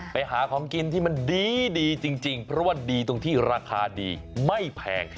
ไปหาของกินที่มันดีจริงเพราะว่าดีตรงที่ราคาดีไม่แพง